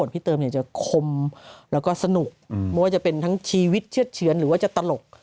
พี่เติมเนี่ยจะคมแล้วก็สนุกไม่ว่าจะเป็นทั้งชีวิตเชื่อดเฉือนหรือว่าจะตลก